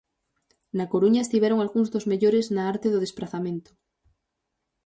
Na Coruña estiveron algúns dos mellores na arte do desprazamento.